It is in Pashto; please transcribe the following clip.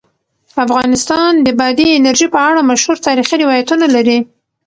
افغانستان د بادي انرژي په اړه مشهور تاریخی روایتونه لري.